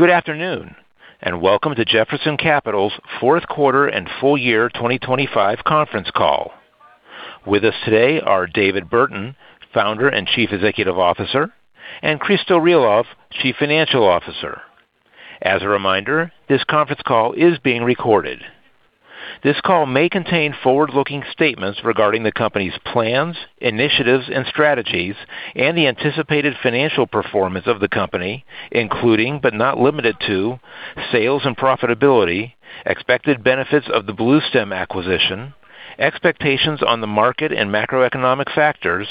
Good afternoon, and welcome to Jefferson Capital's Fourth Quarter and Full Year 2025 Conference Call. With us today are David Burton, Founder and Chief Executive Officer, and Christo Realov, Chief Financial Officer. As a reminder, this conference call is being recorded. This call may contain forward-looking statements regarding the company's plans, initiatives, and strategies and the anticipated financial performance of the company, including, but not limited to, sales and profitability, expected benefits of the Bluestem acquisition, expectations on the market and macroeconomic factors,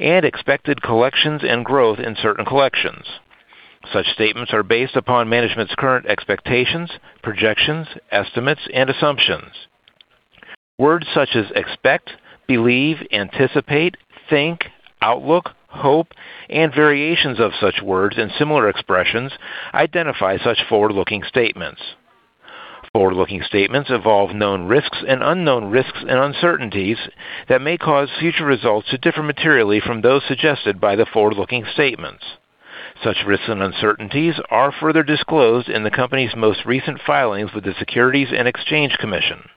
and expected collections and growth in certain collections. Such statements are based upon management's current expectations, projections, estimates, and assumptions. Words such as expect, believe, anticipate, think, outlook, hope, and variations of such words and similar expressions identify such forward-looking statements. Forward-looking statements involve known risks and unknown risks and uncertainties that may cause future results to differ materially from those suggested by the forward-looking statements. Such risks and uncertainties are further disclosed in the company's most recent filings with the Securities and Exchange Commission.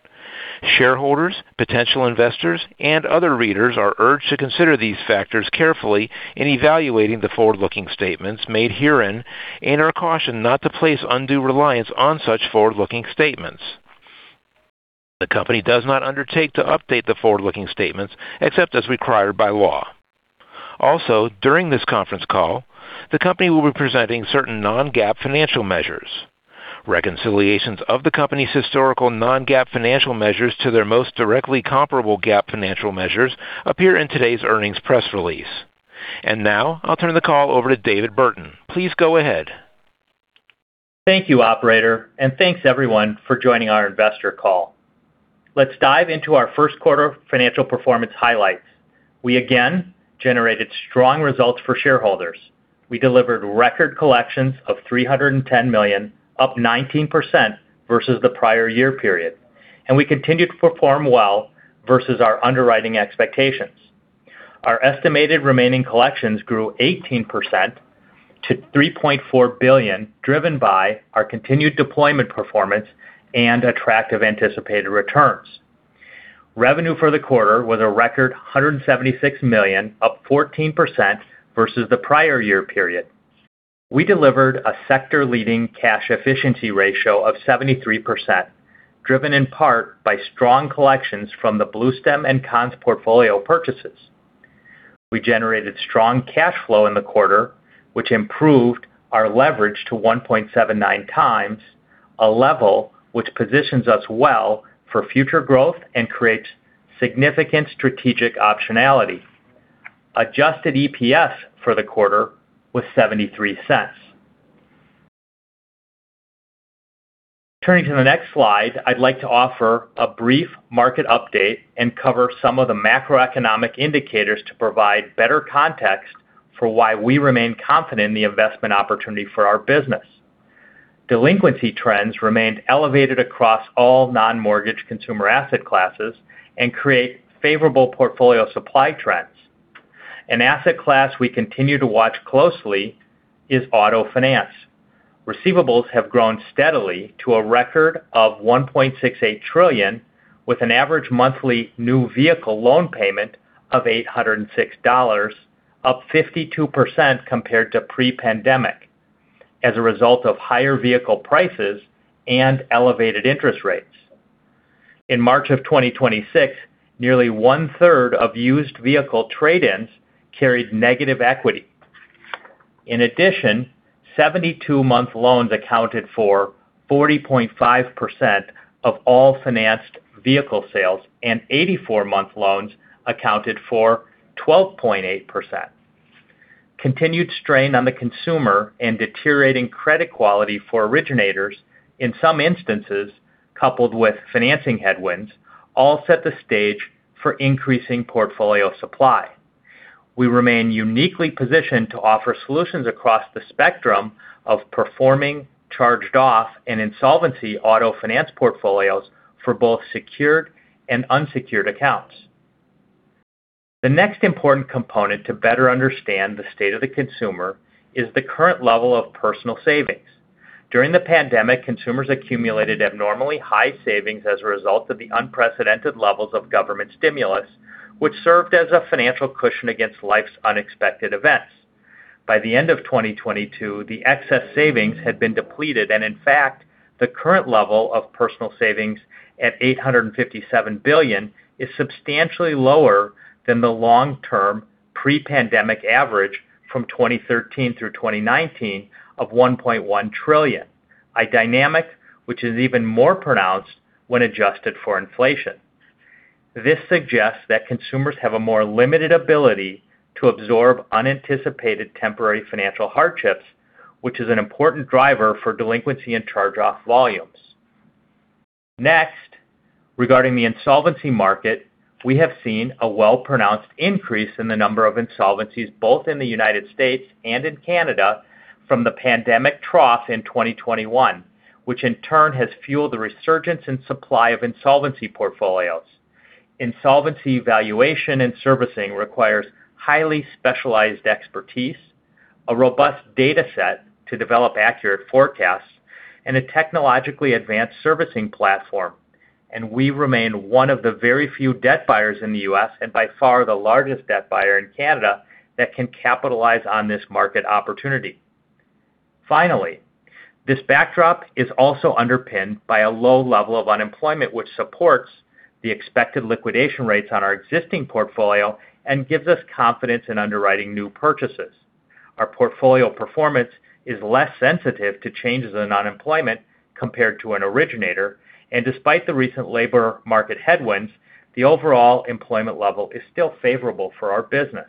Shareholders, potential investors, and other readers are urged to consider these factors carefully in evaluating the forward-looking statements made herein and are cautioned not to place undue reliance on such forward-looking statements. The company does not undertake to update the forward-looking statements except as required by law. Also, during this conference call, the company will be presenting certain non-GAAP financial measures. Reconciliations of the company's historical non-GAAP financial measures to their most directly comparable GAAP financial measures appear in today's earnings press release. Now I'll turn the call over to David Burton. Please go ahead. Thank you, operator, and thanks everyone for joining our investor call. Let's dive into our first quarter financial performance highlights. We again generated strong results for shareholders. We delivered record collections of $310 million, up 19% versus the prior year period, and we continued to perform well versus our underwriting expectations. Our estimated remaining collections grew 18% to $3.4 billion, driven by our continued deployment performance and attractive anticipated returns. Revenue for the quarter was a record $176 million, up 14% versus the prior year period. We delivered a sector-leading cash efficiency ratio of 73%, driven in part by strong collections from the Bluestem Brands and Conn's portfolio purchases. We generated strong cash flow in the quarter, which improved our leverage to 1.79 times, a level which positions us well for future growth and creates significant strategic optionality. Adjusted EPS for the quarter was $0.73. Turning to the next slide, I'd like to offer a brief market update and cover some of the macroeconomic indicators to provide better context for why we remain confident in the investment opportunity for our business. Delinquency trends remained elevated across all non-mortgage consumer asset classes and create favorable portfolio supply trends. An asset class we continue to watch closely is auto finance. Receivables have grown steadily to a record of $1.68 trillion, with an average monthly new vehicle loan payment of $806, up 52% compared to pre-pandemic as a result of higher vehicle prices and elevated interest rates. In March of 2026, nearly 1/3 of used vehicle trade-ins carried negative equity. In addition, 72-month loans accounted for 40.5% of all financed vehicle sales, and 84-month loans accounted for 12.8%. Continued strain on the consumer and deteriorating credit quality for originators, in some instances coupled with financing headwinds, all set the stage for increasing portfolio supply. We remain uniquely positioned to offer solutions across the spectrum of performing, charged off, and insolvency auto finance portfolios for both secured and unsecured accounts. The next important component to better understand the state of the consumer is the current level of personal savings. During the pandemic, consumers accumulated abnormally high savings as a result of the unprecedented levels of government stimulus, which served as a financial cushion against life's unexpected events. By the end of 2022, the excess savings had been depleted, and in fact, the current level of personal savings at $857 billion is substantially lower than the long-term pre-pandemic average from 2013 through 2019 of $1.1 trillion, a dynamic which is even more pronounced when adjusted for inflation. This suggests that consumers have a more limited ability to absorb unanticipated temporary financial hardships, which is an important driver for delinquency and charge-off volumes. Next, regarding the insolvency market, we have seen a well-pronounced increase in the number of insolvencies both in the U.S. and in Canada from the pandemic trough in 2021, which in turn has fueled the resurgence in supply of insolvency portfolios. Insolvency valuation and servicing requires highly specialized expertise, a robust data set to develop accurate forecasts, and a technologically advanced servicing platform. We remain one of the very few debt buyers in the U.S., and by far the largest debt buyer in Canada, that can capitalize on this market opportunity. Finally, this backdrop is also underpinned by a low level of unemployment, which supports the expected liquidation rates on our existing portfolio and gives us confidence in underwriting new purchases. Our portfolio performance is less sensitive to changes in unemployment compared to an originator. Despite the recent labor market headwinds, the overall employment level is still favorable for our business.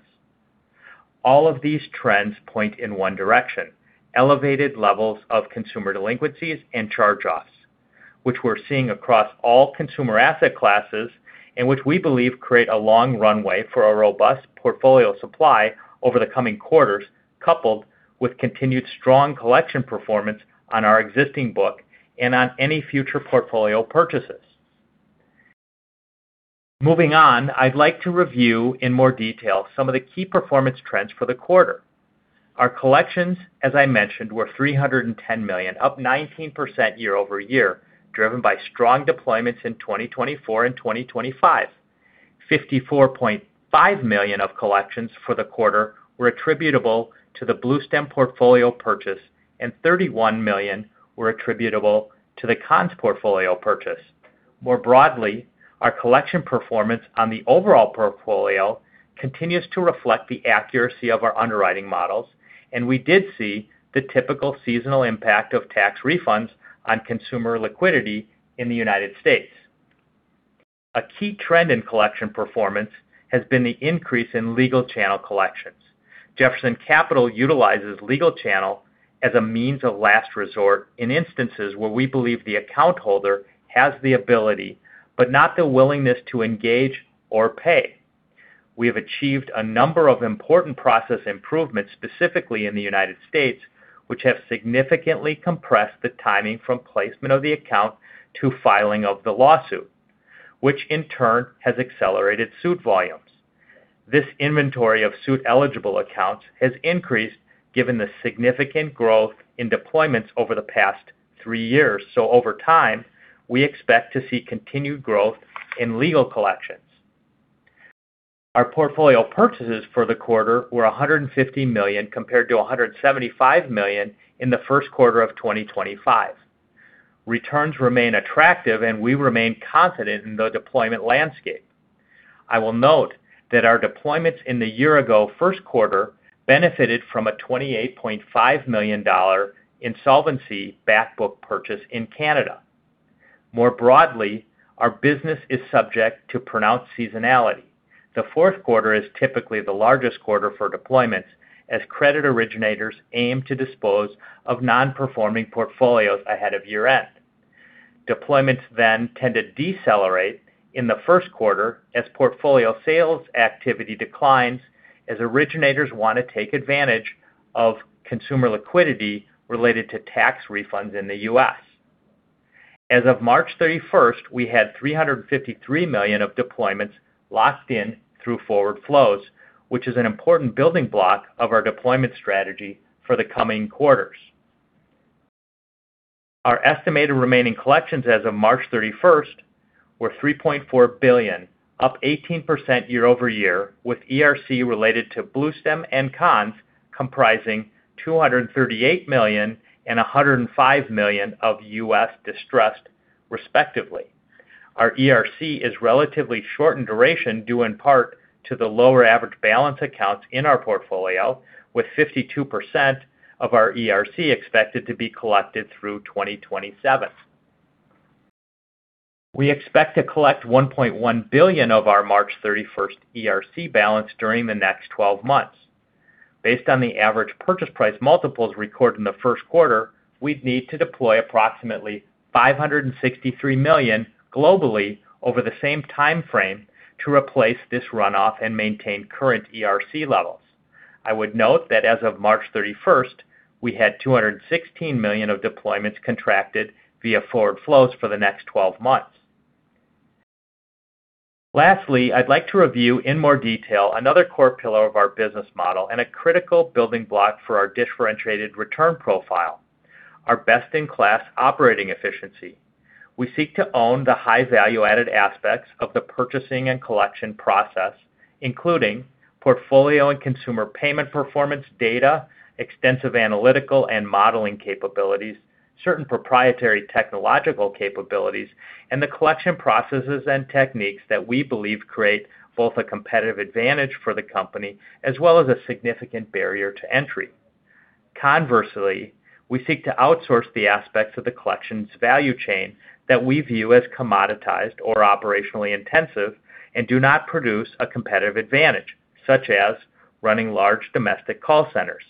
All of these trends point in one direction, elevated levels of consumer delinquencies and charge-offs, which we're seeing across all consumer asset classes and which we believe create a long runway for a robust portfolio supply over the coming quarters, coupled with continued strong collection performance on our existing book and on any future portfolio purchases. Moving on, I'd like to review in more detail some of the key performance trends for the quarter. Our collections, as I mentioned, were $310 million, up 19% year-over-year, driven by strong deployments in 2024 and 2025. $54.5 million of collections for the quarter were attributable to the Bluestem portfolio purchase, and $31 million were attributable to the Conn's portfolio purchase. More broadly, our collection performance on the overall portfolio continues to reflect the accuracy of our underwriting models, and we did see the typical seasonal impact of tax refunds on consumer liquidity in the U.S. A key trend in collection performance has been the increase in legal channel collections. Jefferson Capital utilizes legal channel as a means of last resort in instances where we believe the account holder has the ability but not the willingness to engage or pay. We have achieved a number of important process improvements, specifically in the U.S., which have significantly compressed the timing from placement of the account to filing of the lawsuit, which in turn has accelerated suit volumes. This inventory of suit-eligible accounts has increased given the significant growth in deployments over the past three years. Over time, we expect to see continued growth in legal collections. Our portfolio purchases for the quarter were $150 million compared to $175 million in the first quarter of 2025. Returns remain attractive, and we remain confident in the deployment landscape. I will note that our deployments in the year-ago first quarter benefited from a $28.5 million insolvency back book purchase in Canada. More broadly, our business is subject to pronounced seasonality. The fourth quarter is typically the largest quarter for deployments as credit originators aim to dispose of non-performing portfolios ahead of year-end. Deployments tend to decelerate in the first quarter as portfolio sales activity declines as originators want to take advantage of consumer liquidity related to tax refunds in the U.S. As of March 31st, we had $353 million of deployments locked in through forward flows, which is an important building block of our deployment strategy for the coming quarters. Our estimated remaining collections as of March 31st were $3.4 billion, up 18% year-over-year, with ERC related to Bluestem and Conn's comprising $238 million and $105 million of U.S. distressed respectively. Our ERC is relatively short in duration, due in part to the lower average balance accounts in our portfolio, with 52% of our ERC expected to be collected through 2027. We expect to collect $1.1 billion of our March 31st ERC balance during the next 12 months. Based on the average purchase price multiples recorded in the first quarter, we'd need to deploy approximately $563 million globally over the same time frame to replace this runoff and maintain current ERC levels. I would note that as of March 31st, we had $216 million of deployments contracted via forward flows for the next 12 months. Lastly, I'd like to review in more detail another core pillar of our business model and a critical building block for our differentiated return profile, our best-in-class operating efficiency. We seek to own the high value-added aspects of the purchasing and collection process, including portfolio and consumer payment performance data, extensive analytical and modeling capabilities, certain proprietary technological capabilities, and the collection processes and techniques that we believe create both a competitive advantage for the company as well as a significant barrier to entry. Conversely, we seek to outsource the aspects of the collections value chain that we view as commoditized or operationally intensive and do not produce a competitive advantage, such as running large domestic call centers.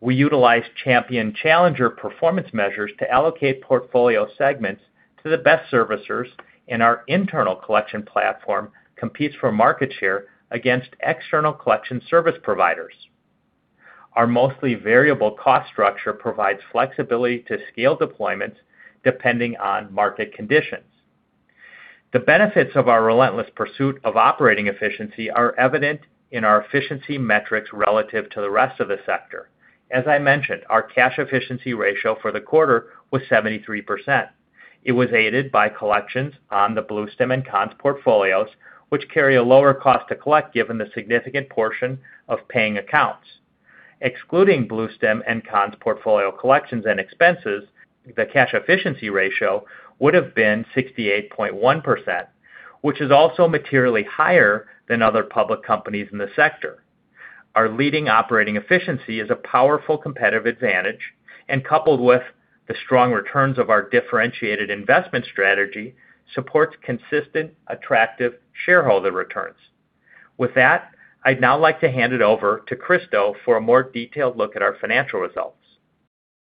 We utilize champion challenger performance measures to allocate portfolio segments to the best servicers, and our internal collection platform competes for market share against external collection service providers. Our mostly variable cost structure provides flexibility to scale deployments depending on market conditions. The benefits of our relentless pursuit of operating efficiency are evident in our efficiency metrics relative to the rest of the sector. As I mentioned, our cash efficiency ratio for the quarter was 73%. It was aided by collections on the Bluestem and Conn's portfolios, which carry a lower cost to collect given the significant portion of paying accounts. Excluding Bluestem and Conn's portfolio collections and expenses, the cash efficiency ratio would have been 68.1%, which is also materially higher than other public companies in the sector. Our leading operating efficiency is a powerful competitive advantage and coupled with the strong returns of our differentiated investment strategy, supports consistent, attractive shareholder returns. With that, I'd now like to hand it over to Christo for a more detailed look at our financial results.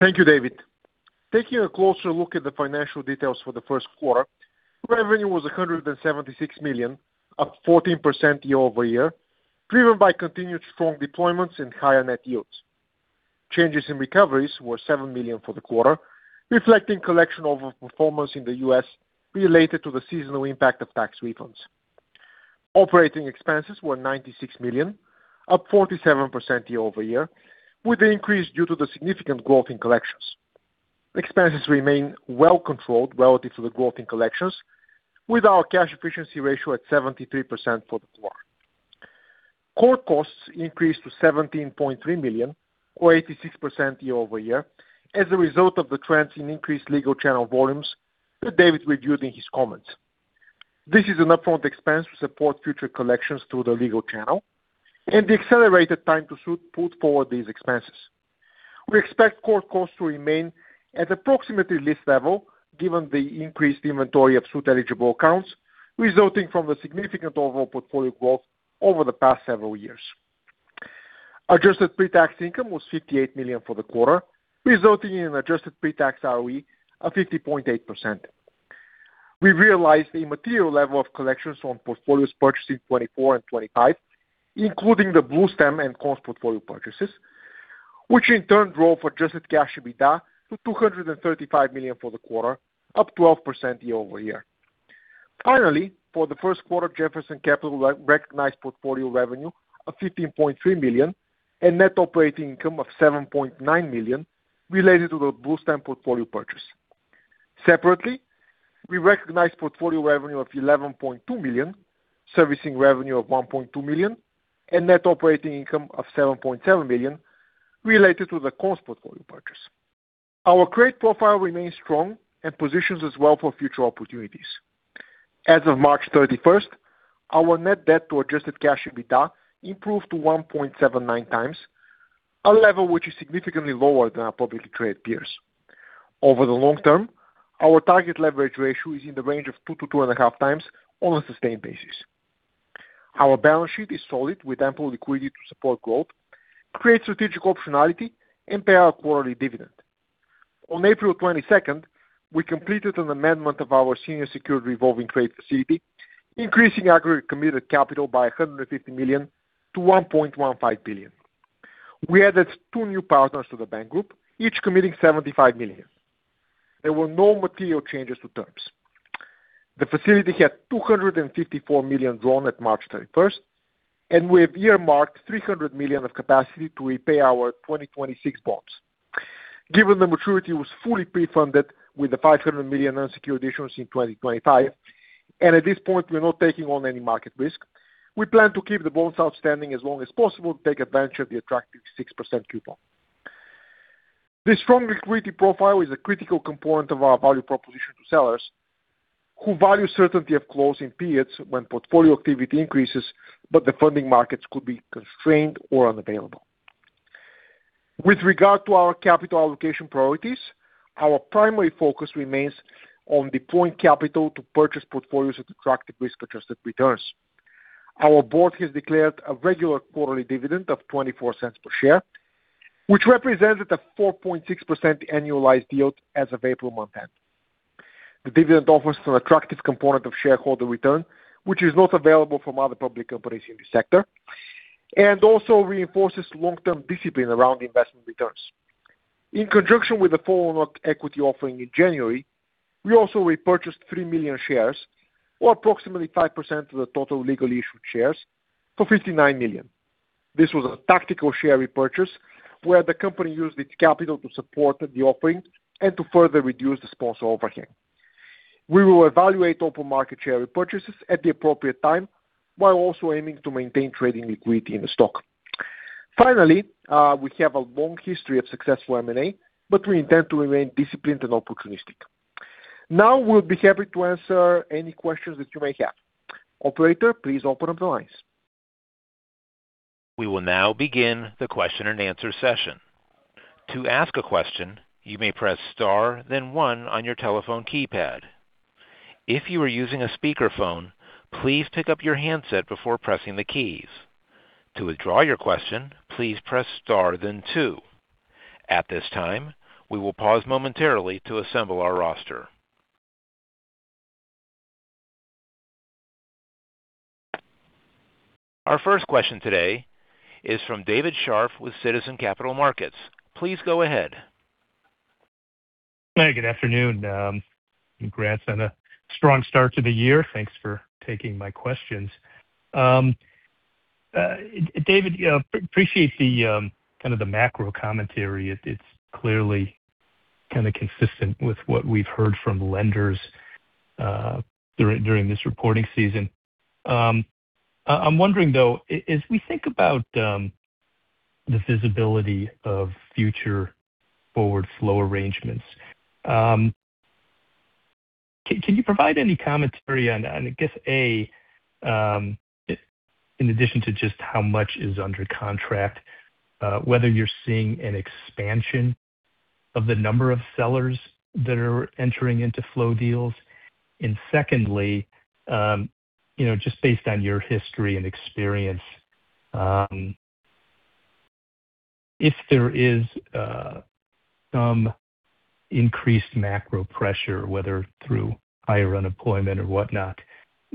Thank you, David. Taking a closer look at the financial details for the first quarter, revenue was $176 million, up 14% year-over-year, driven by continued strong deployments and higher net yields. Changes in recoveries were $7 million for the quarter, reflecting collection over performance in the U.S. related to the seasonal impact of tax refunds. Operating expenses were $96 million, up 47% year-over-year, with the increase due to the significant growth in collections. Expenses remain well controlled relative to the growth in collections, with our cash efficiency ratio at 73% for the quarter. Court costs increased to $17.3 million or 86% year-over-year as a result of the trends in increased legal channel volumes that David reviewed in his comments. This is an upfront expense to support future collections through the legal channel and the accelerated time to suit pulled forward these expenses. We expect court costs to remain at approximately this level given the increased inventory of suit-eligible accounts resulting from the significant overall portfolio growth over the past several years. Adjusted pre-tax income was $58 million for the quarter, resulting in an adjusted pre-tax ROE of 50.8%. We realized a material level of collections on portfolios purchased in 2024 and 2025, including the Bluestem and Conn's portfolio purchases, which in turn drove adjusted cash EBITDA to $235 million for the quarter, up 12% year-over-year. Finally, for the first quarter, Jefferson Capital re-recognized portfolio revenue of $15.3 million and net operating income of $7.9 million related to the Bluestem portfolio purchase. Separately, we recognized portfolio revenue of $11.2 million, servicing revenue of $1.2 million, and net operating income of $7.7 million related to the Conn's portfolio purchase. Our credit profile remains strong and positions us well for future opportunities. As of March 31st, our net debt to adjusted cash EBITDA improved to 1.79x, a level which is significantly lower than our publicly traded peers. Over the long term, our target leverage ratio is in the range of 2-2.5x on a sustained basis. Our balance sheet is solid with ample liquidity to support growth, create strategic optionality, and pay our quarterly dividend. On April 22nd, we completed an amendment of our senior secured revolving trade facility, increasing aggregate committed capital by $150 million-$1.15 billion. We added two new partners to the bank group, each committing $75 million. There were no material changes to terms. The facility had $254 million drawn at March 31st, and we have earmarked $300 million of capacity to repay our 2026 bonds. Given the maturity was fully prefunded with the $500 million unsecured issuance in 2025, at this point, we're not taking on any market risk. We plan to keep the bonds outstanding as long as possible to take advantage of the attractive 6% coupon. The strong liquidity profile is a critical component of our value proposition to sellers who value certainty of closing periods when portfolio activity increases, the funding markets could be constrained or unavailable. With regard to our capital allocation priorities, our primary focus remains on deploying capital to purchase portfolios at attractive risk-adjusted returns. Our board has declared a regular quarterly dividend of $0.24 per share, which represented a 4.6% annualized yield as of April month-end. The dividend offers an attractive component of shareholder return, which is not available from other public companies in the sector and also reinforces long-term discipline around investment returns. In conjunction with the follow-on equity offering in January, we also repurchased 3 million shares or approximately 5% of the total legal issued shares for $59 million. This was a tactical share repurchase where the company used its capital to support the offering and to further reduce the sponsor overhang. We will evaluate open market share repurchases at the appropriate time while also aiming to maintain trading liquidity in the stock. Finally, we have a long history of successful M&A, but we intend to remain disciplined and opportunistic. Now, we'll be happy to answer any questions that you may have. Operator, please open up the lines. We will now begin the question and answer session. To ask a question, you may press star then one on your telephone keypad. If you are using a speakerphone, please pick up your handset before pressing the keys. To withdraw your question, please press star then two. At this time, we will pause momentarily to assemble our roster. Our first question today is from David Scharf with Citizens Capital Markets. Please go ahead. Hey, good afternoon. Congrats on a strong start to the year. Thanks for taking my questions. David, appreciate the kind of the macro commentary. It's clearly kind of consistent with what we've heard from lenders during this reporting season. I'm wondering, though, as we think about the visibility of future forward flow arrangements, can you provide any commentary on, I guess, A, in addition to just how much is under contract, whether you're seeing an expansion of the number of sellers that are entering into flow deals? Secondly, you know, just based on your history and experience, if there is some increased macro pressure, whether through higher unemployment or whatnot,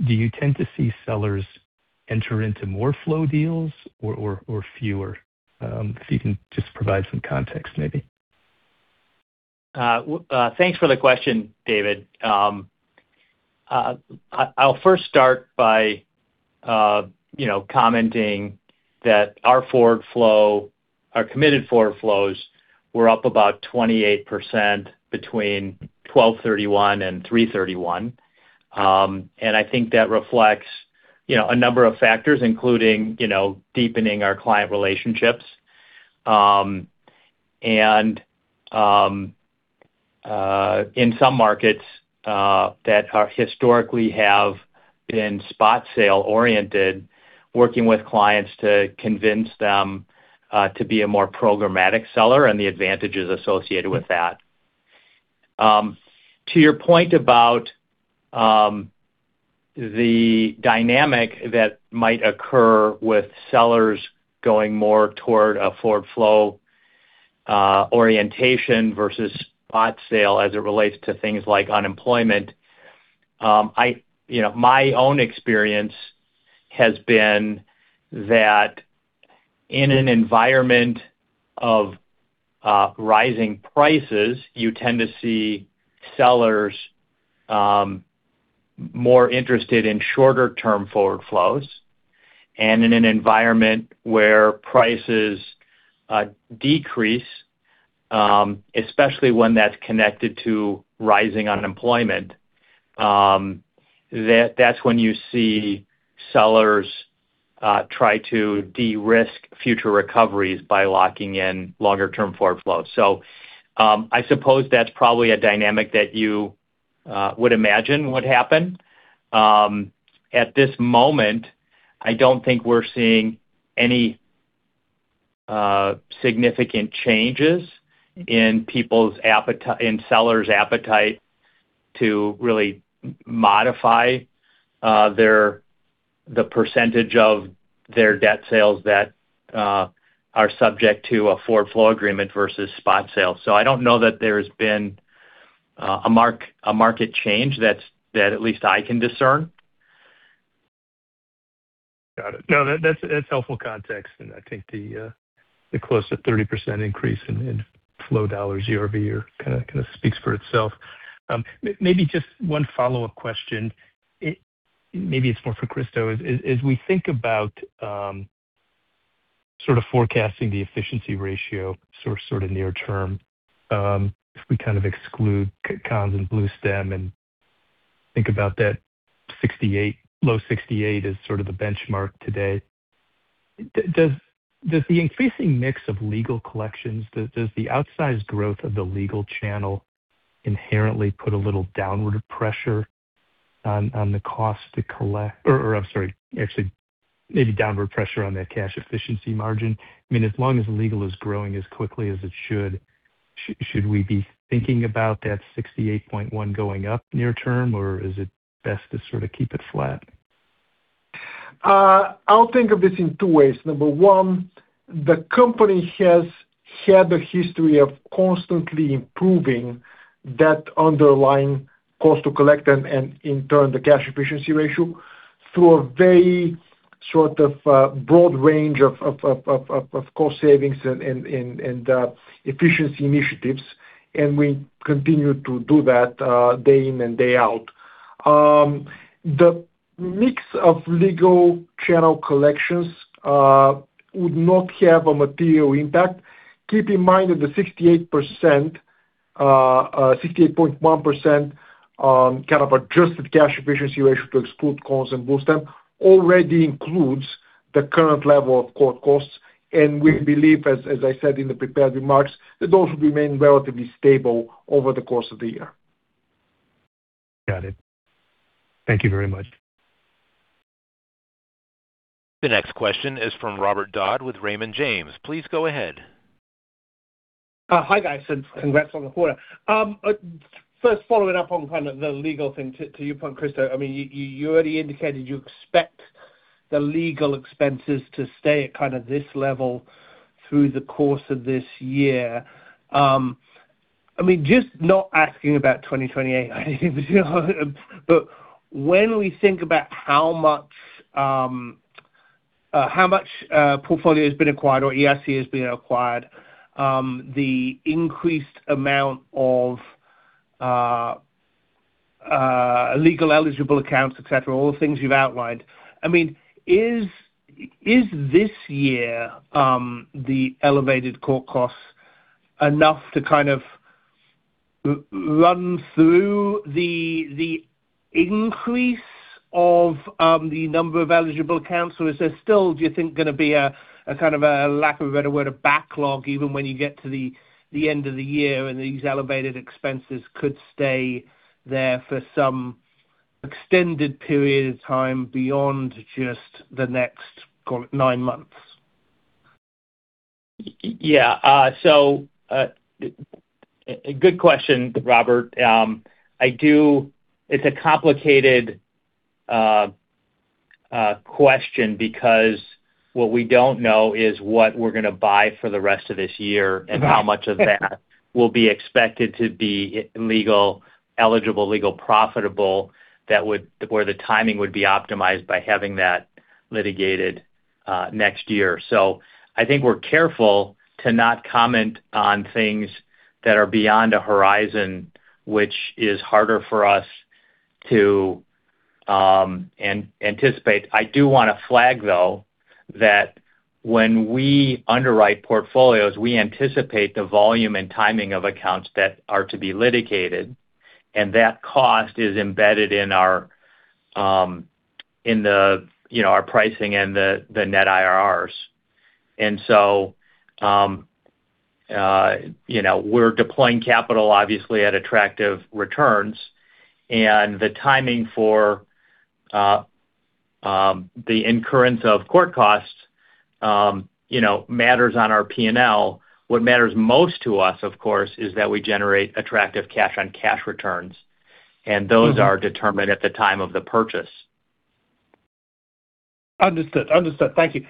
do you tend to see sellers enter into more flow deals or fewer? If you can just provide some context, maybe. Thanks for the question, David. I'll first start by, you know, commenting that our forward flow, our committed forward flows were up about 28% between 12/31 and 3/31. I think that reflects, you know, a number of factors, including, you know, deepening our client relationships. In some markets that are historically have been spot sale-oriented, working with clients to convince them to be a more programmatic seller and the advantages associated with that. To your point about the dynamic that might occur with sellers going more toward a forward flow orientation versus spot sale as it relates to things like unemployment, I, you know, my own experience has been that in an environment of rising prices, you tend to see sellers more interested in shorter term forward flows. In an environment where prices decrease, especially when that's connected to rising unemployment, that's when you see sellers try to de-risk future recoveries by locking in longer term forward flows. I suppose that's probably a dynamic that you would imagine would happen. At this moment, I don't think we're seeing any significant changes in sellers' appetite to really modify their, the percentage of their debt sales that are subject to a forward flow agreement versus spot sales. I don't know that there's been a market change that's, that at least I can discern. Got it. No, that's helpful context. I think the close to 30% increase in flow dollars year-over-year kinda speaks for itself. Maybe just one follow-up question. Maybe it's more for Christo. As we think about sort of forecasting the efficiency ratio sort of near term, if we kind of exclude Conn's and Bluestem and think about that 68, low 68 as sort of the benchmark today. Does the increasing mix of legal collections, does the outsized growth of the legal channel inherently put a little downward pressure on the cost to collect Or I'm sorry, actually maybe downward pressure on that cash efficiency margin? I mean, as long as legal is growing as quickly as it should we be thinking about that 68.1 going up near term, or is it best to sort of keep it flat? I'll think of this in two ways. The company has had a history of constantly improving that underlying cost to collect and in turn the cash efficiency ratio through a very sort of broad range of cost savings and efficiency initiatives, and we continue to do that day in and day out. The mix of legal channel collections would not have a material impact. Keep in mind that the 68%, 68.1% kind of adjusted cash efficiency ratio to exclude Conn's and Bluestem already includes the current level of court costs. We believe, as I said in the prepared remarks, that those will remain relatively stable over the course of the year. Got it. Thank you very much. The next question is from Robert Dodd with Raymond James. Please go ahead. Hi guys, congrats on the quarter. First following up on kind of the legal thing to you point, Christo. I mean, you already indicated you expect the legal expenses to stay at kind of this level through the course of this year. I mean, just not asking about 2028, I think, but when we think about how much portfolio has been acquired or ERC has been acquired, the increased amount of legal eligible accounts, et cetera, all the things you've outlined. I mean, is this year the elevated court costs enough to kind of run through the increase of the number of eligible accounts? Is there still, do you think, gonna be a kind of a, lack of a better word, a backlog even when you get to the end of the year and these elevated expenses could stay there for some extended period of time beyond just the next nine months? Yeah. A good question, Robert. I do. It's a complicated question because what we don't know is what we're gonna buy for the rest of this year and how much of that will be expected to be legal eligible, legal profitable that would where the timing would be optimized by having that litigated next year. I think we're careful to not comment on things that are beyond our horizon, which is harder for us to anticipate. I do wanna flag, though, that when we underwrite portfolios, we anticipate the volume and timing of accounts that are to be litigated, and that cost is embedded in our, in the, you know, our pricing and the net IRRs. You know, we're deploying capital obviously at attractive returns and the timing for, the incurrence of court costs, you know, matters on our P&L. What matters most to us, of course, is that we generate attractive cash on cash returns, and those are determined at the time of the purchase. Understood. Understood. Thank you.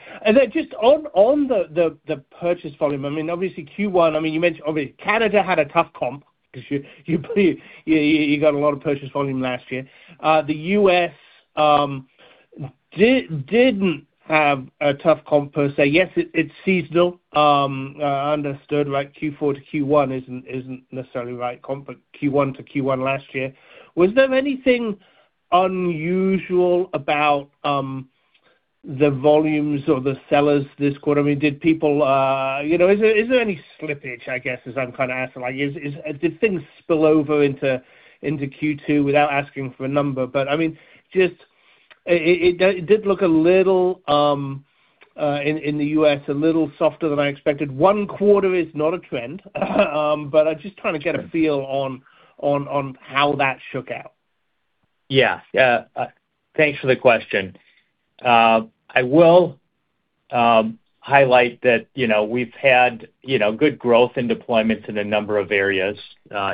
Just on the purchase volume, I mean, obviously Q1, I mean, you mentioned obviously Canada had a tough comp 'cause you got a lot of purchase volume last year. The U.S. didn't have a tough comp per se. Yes, it's seasonal, understood, like Q4 to Q1 isn't necessarily right comp, but Q1 to Q1 last year. Was there anything unusual about the volumes or the sellers this quarter? I mean, did people, you know Is there any slippage, I guess, is I'm kinda asking. Like, did things spill over into Q2 without asking for a number? I mean, just it did look a little in the U.S., a little softer than I expected. One quarter is not a trend, but I'm just trying to get a feel on how that shook out. Yeah. Thanks for the question. I will highlight that, you know, we've had, you know, good growth in deployments in a number of areas,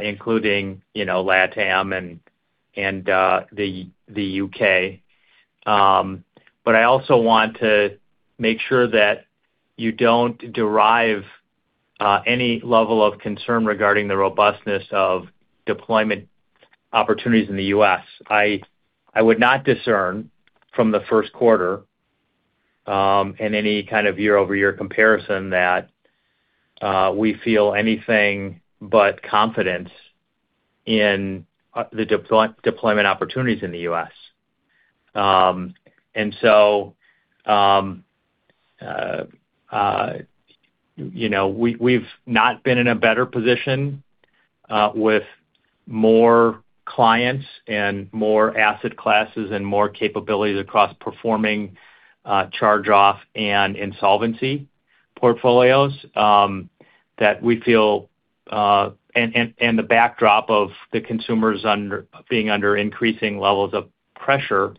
including, you know, LATAM and the U.K. I also want to make sure that you don't derive any level of concern regarding the robustness of deployment opportunities in the U.S. I would not discern from the first quarter in any kind of year-over-year comparison that we feel anything but confidence in the deployment opportunities in the U.S. You know, we've not been in a better position, with more clients and more asset classes and more capabilities across performing, charge-off and insolvency portfolios that we feel. The backdrop of the consumers being under increasing levels of pressure,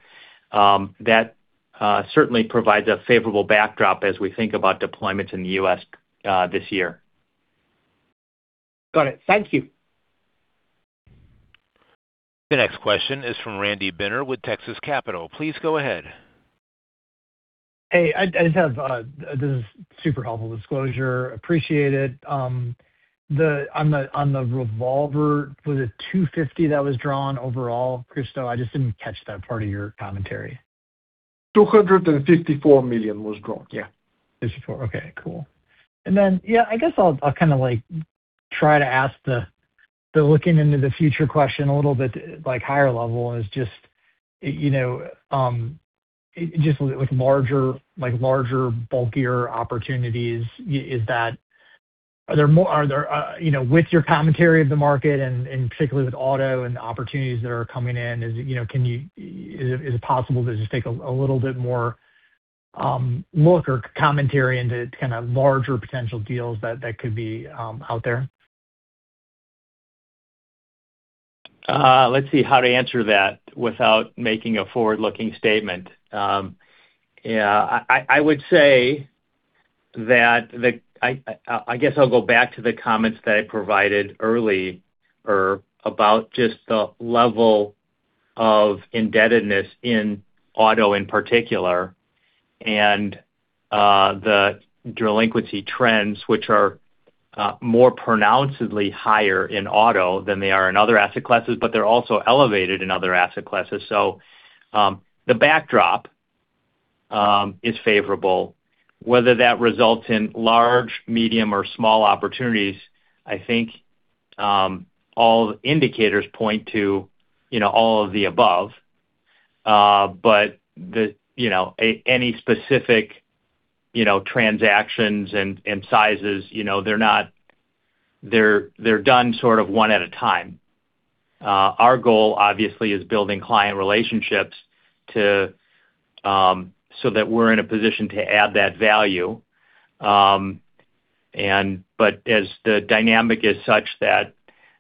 that certainly provides a favorable backdrop as we think about deployments in the U.S. this year. Got it. Thank you. The next question is from Randy Binner with Texas Capital. Please go ahead. Hey, I just have this is super helpful disclosure. Appreciate it. On the revolver, was it $250 that was drawn overall, Christo? I just didn't catch that part of your commentary. $254 million was drawn. Yeah. 254. Okay, cool. Yeah, I guess I'll try to ask the looking into the future question a little bit higher level is just, you know, just with larger, bulkier opportunities. Are there, you know, with your commentary of the market and particularly with auto and the opportunities that are coming in, is it possible to just take a little bit more look or commentary into larger potential deals that could be out there? Let's see how to answer that without making a forward-looking statement. I guess I'll go back to the comments that I provided earlier about just the level of indebtedness in auto in particular. And the delinquency trends, which are more pronouncedly higher in auto than they are in other asset classes, but they're also elevated in other asset classes. The backdrop is favorable. Whether that results in large, medium or small opportunities, I think, all indicators point to, you know, all of the above. Any specific, you know, transactions and sizes, you know, they're done sort of one at a time. Our goal obviously is building client relationships to so that we're in a position to add that value. As the dynamic is such that,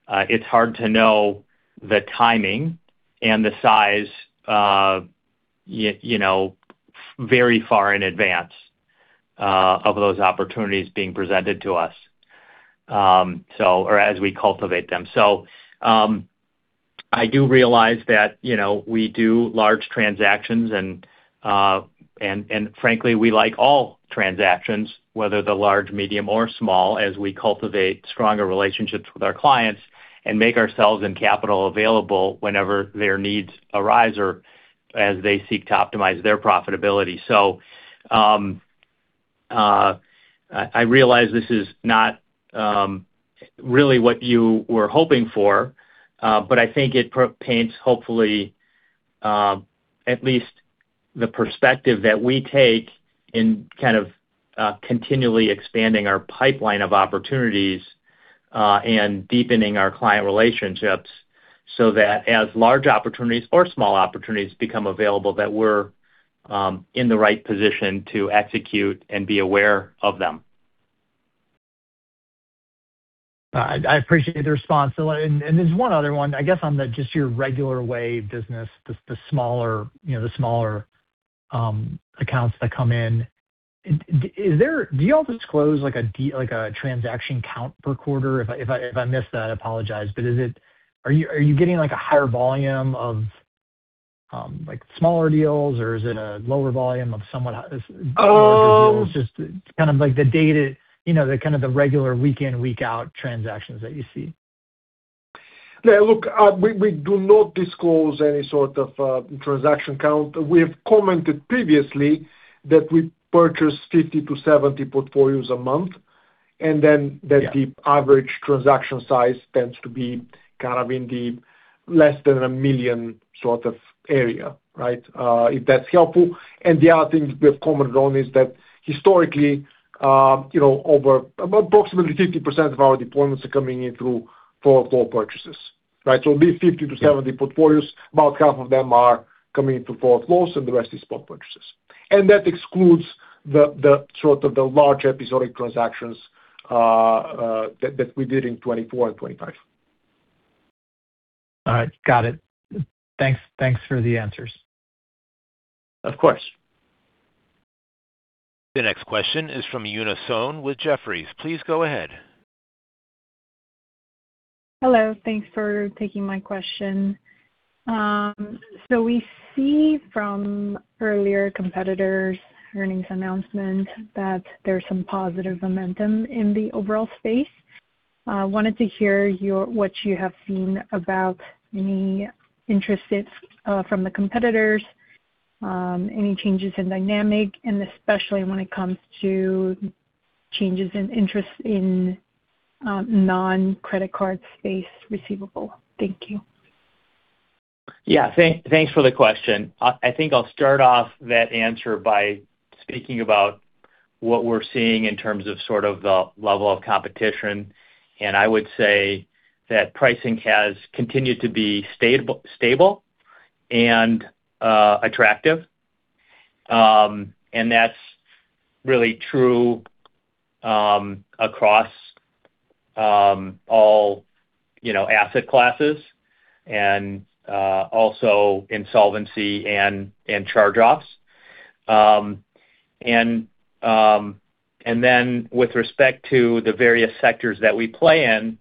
it's hard to know the timing and the size of, you know, very far in advance, of those opportunities being presented to us, or as we cultivate them. I do realize that, you know, we do large transactions and, frankly, we like all transactions, whether they're large, medium or small, as we cultivate stronger relationships with our clients and make ourselves and capital available whenever their needs arise or as they seek to optimize their profitability. I realize this is not really what you were hoping for, but I think it paints hopefully, at least the perspective that we take in kind of continually expanding our pipeline of opportunities and deepening our client relationships so that as large opportunities or small opportunities become available, that we're in the right position to execute and be aware of them. I appreciate the response. And there's one other one, I guess, on the just your regular way business, the smaller, you know, the smaller accounts that come in. Do you all disclose like a transaction count per quarter? If I missed that, I apologize. Are you getting like a higher volume of like smaller deals, or is it a lower volume of somewhat- Um- Just kind of like the data, you know, the kind of the regular week in, week out transactions that you see. Yeah, look, we do not disclose any sort of transaction count. We have commented previously that we purchase 50-70 portfolios a month. Yeah. That the average transaction size tends to be kind of in the less than a million sort of area, right? If that's helpful. The other thing we have commented on is that historically, you know, over approximately 50% of our deployments are coming in through forward flow purchases, right? It'll be 50-70 portfolios. About half of them are coming into forward flows and the rest is spot purchases. That excludes the sort of the large episodic transactions that we did in 2024 and 2025. All right. Got it. Thanks, thanks for the answers. Of course. The next question is from Yuna Sohn with Jefferies. Please go ahead. Hello. Thanks for taking my question. We see from earlier competitors' earnings announcement that there's some positive momentum in the overall space. wanted to hear what you have seen about any interest rates from the competitors, any changes in dynamic and especially when it comes to changes in interest in non-credit card space receivable. Thank you. Yeah. Thanks for the question. I think I'll start off that answer by speaking about what we're seeing in terms of sort of the level of competition. I would say that pricing has continued to be stable and attractive. That's really true across all, you know, asset classes and also insolvency and charge-offs. Then with respect to the various sectors that we play in,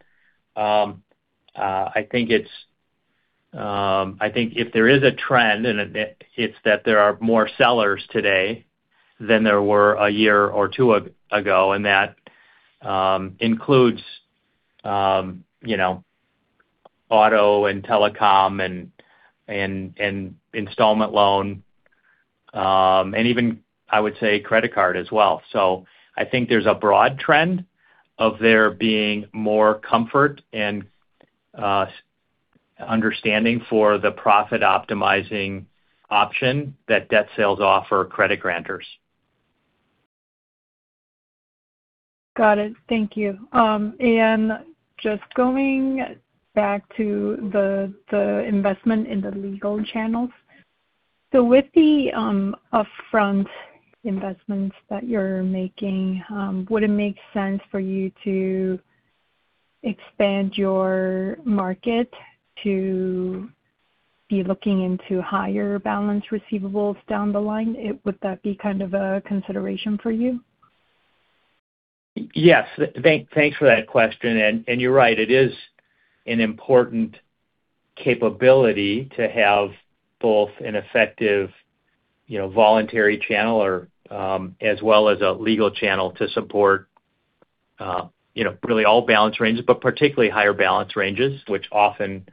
I think it's, I think if there is a trend and it's that there are more sellers today than there were a year or two ago, and that includes, you know, auto and telecom and installment loan, and even, I would say, credit card as well. I think there's a broad trend of there being more comfort and understanding for the profit optimizing option that debt sales offer credit grantors. Got it. Thank you. Just going back to the investment in the legal channels, with the upfront investments that you're making, would it make sense for you to expand your market to be looking into higher balance receivables down the line? Would that be kind of a consideration for you? Yes. Thanks for that question. You're right, it is an important capability to have both an effective, you know, voluntary channel or as well as a legal channel to support, you know, really all balance ranges, but particularly higher balance ranges, which often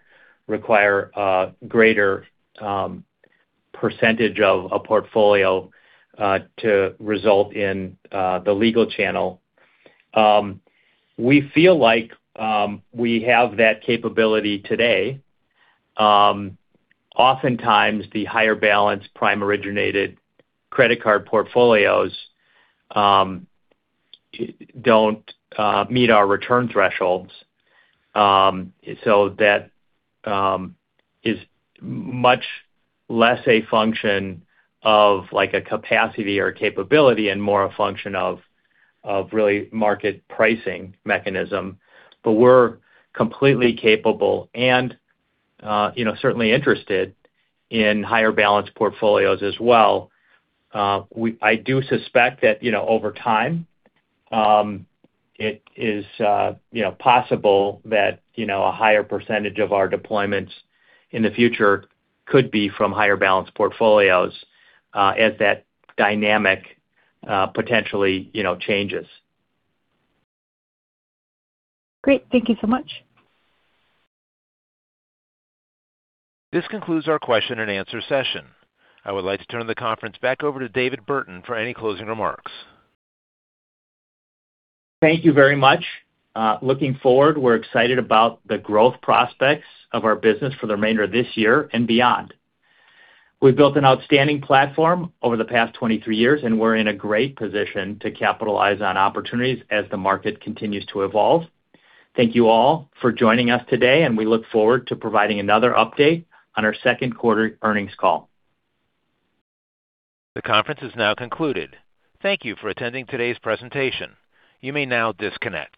require greater percentage of a portfolio to result in the legal channel. We feel like we have that capability today. Oftentimes the higher balance prime originated credit card portfolios don't meet our return thresholds. That is much less a function of like a capacity or capability and more a function of really market pricing mechanism. We're completely capable and, you know, certainly interested in higher balance portfolios as well. I do suspect that, you know, over time, it is, you know, possible that, you know, a higher percentage of our deployments in the future could be from higher balance portfolios, as that dynamic, potentially, you know, changes. Great. Thank you so much. This concludes our question and answer session. I would like to turn the conference back over to David Burton for any closing remarks. Thank you very much. Looking forward, we're excited about the growth prospects of our business for the remainder of this year and beyond. We've built an outstanding platform over the past 23 years, and we're in a great position to capitalize on opportunities as the market continues to evolve. Thank you all for joining us today, and we look forward to providing another update on our second quarter earnings call. The conference is now concluded. Thank you for attending today's presentation. You may now disconnect.